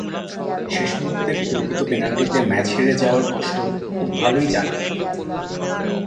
শেষ মুহূর্তে বিতর্কিত পেনাল্টিতে ম্যাচ হেরে যাওয়ার কষ্ট খুব ভালোই জানা তাঁর।